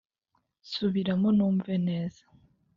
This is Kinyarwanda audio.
subiramo, numve neza! "